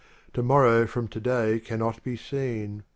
Tomorrow from today cannot be seen.